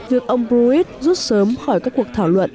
việc ông borrit rút sớm khỏi các cuộc thảo luận